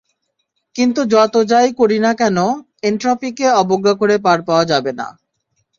কিন্তু যত যা–ই করি না কেন, এনট্রপিকে অবজ্ঞা করে পার পাওয়া যাবে না।